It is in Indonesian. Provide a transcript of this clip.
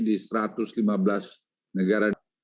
di satu ratus lima belas negara